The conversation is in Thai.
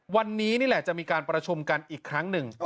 วันนี้นี่แหละจะมีการประชุมกันอีกครั้งหนึ่ง